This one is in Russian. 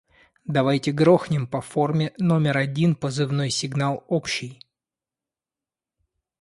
Давайте грохнем по форме номер один позывной сигнал общий.